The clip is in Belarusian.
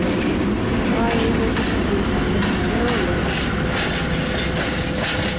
Кульгае і логіка дзеянняў саміх герояў.